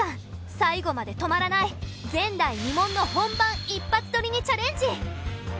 最後まで止まらない前代未聞の本番一発撮りにチャレンジ。